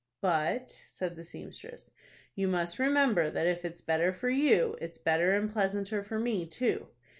"But," said the seamstress, "you must remember that if it's better for you, it's better and pleasanter for me too.